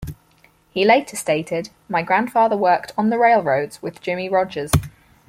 He later stated: My grandfather worked on the railroads with Jimmie Rodgers.